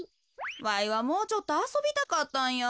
わいはもうちょっとあそびたかったんや。